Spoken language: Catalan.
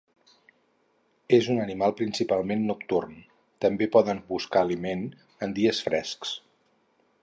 És un animal principalment nocturn; també poden buscar aliment en dies frescs.